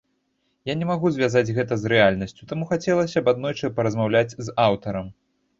Я не магу звязаць гэта з рэальнасцю, таму хацелася б аднойчы паразмаўляць з аўтарам.